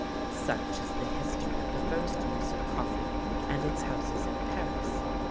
Such is the history of the first use of coffee and its houses at Paris.